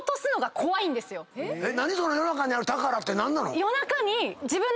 その夜中にある宝って何なの？